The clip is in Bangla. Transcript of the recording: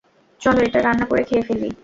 চলো এটা রান্না করে খেয়ে ফেলি।